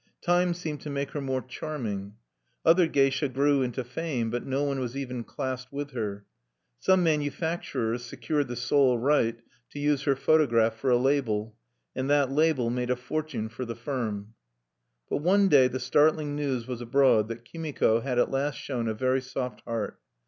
Time seemed to make her more charming. Other geisha grew into fame, but no one was even classed with her. Some manufacturers secured the sole right to use her photograph for a label; and that label made a fortune for the firm. But one day the startling news was abroad that Kimiko had at last shown a very soft heart.